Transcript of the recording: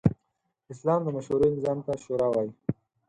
اسلام د مشورې نظام ته “شورا” وايي.